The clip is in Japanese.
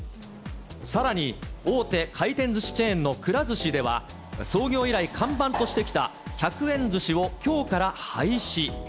さらに、大手回転ずしチェーンのくら寿司では、創業以来看板としてきた、１００円ずしをきょうから廃止。